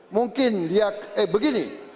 mungkin dia eh begini